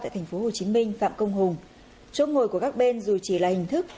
tại tp hcm phạm công hùng chỗ ngồi của các bên dù chỉ là hình thức